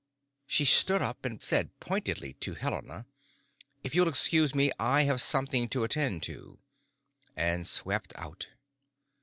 She stood up and said pointedly to Helena, "If you'll excuse me, I have something to attend to." And swept out.